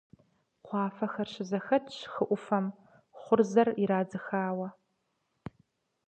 Кхъуафэхэр щызэхэтщ хы Ӏуфэм, хъурзэр ирадзыхауэ.